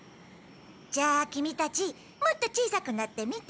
じゃあキミたちもっと小さくなって見てみる？